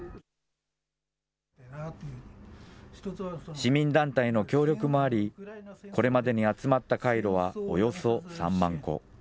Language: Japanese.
市民団体の協力もあり、これまでに集まったカイロはおよそ３万個。